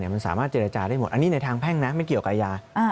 มันสามารถเจรจาได้หมดอันนี้ในทางแพ่งนะไม่เกี่ยวกับยา